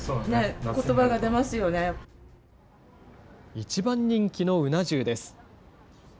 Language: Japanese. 一番人気のうな重です。